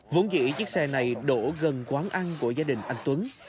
vốn nghĩ chiếc xe này đổ gần quán ăn của gia đình anh tuấn